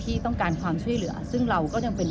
ที่ต้องการความช่วยเหลือซึ่งเราก็ยังเป็น